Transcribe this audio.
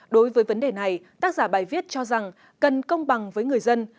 đối với vấn đề này tác giả bài viết cho rằng cần công bằng với người dân